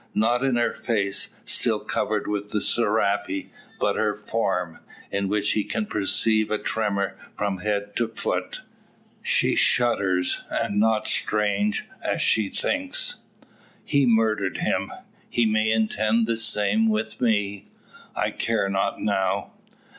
Not in her face, still covered with the serape, but her form, in which he can perceive a tremor from head to foot. She shudders, and not strange, as she thinks: "He murdered him. He may intend the same with me. I care not now."